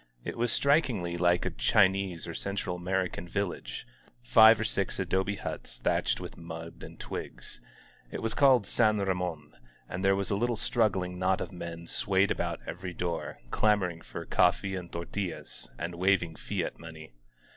It was strik ingly like a Chinese or Central American village: fire or six adobe huts thatched with mud and twigs. It was called San Ramon, and there a little struggling knot of men swayed about every door, clamoring for coffee and tortillas, and waving fiat money.